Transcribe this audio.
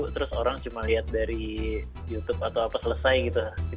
terus orang cuma lihat dari youtube atau apa selesai gitu